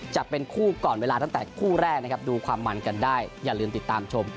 จะเป็นคู่ก่อนเวลาตั้งแต่คู่แรกนะครับดูความมันกันได้อย่าลืมติดตามชม